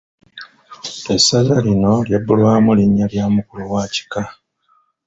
Essaza lino lyabbulwamu linnya lya mukulu wa kika.